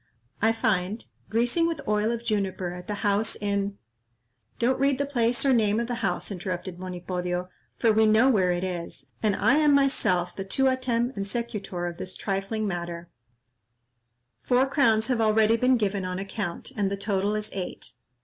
"I find, 'Greasing with oil of juniper at the house in—'" "Don't read the place or name of the house," interrupted Monipodio, "for we know where it is, and I am myself the tuautem and secutor of this trifling matter; four crowns have already been given on account, and the total is eight."